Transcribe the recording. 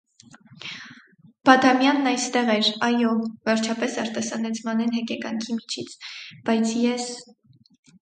Բադամյանն այստեղ էր, այո,- վերջապես արտասանեց Մանեն հեկեկանքի միջից,- բայց ես…